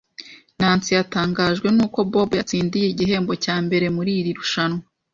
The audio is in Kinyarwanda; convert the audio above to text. Nancy yatangajwe nuko Bob yatsindiye igihembo cya mbere muri iri rushanwa